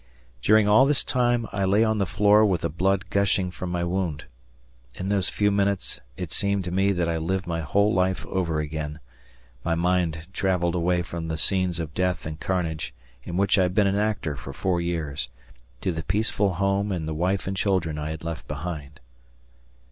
During all this time I lay on the floor with the blood gushing from my wound. In those few minutes it seemed to me that I lived my whole life over again; my mind traveled away from the scenes of death and carnage, in which I had been an actor for four years, to the peaceful home and the wife and children I had left behind.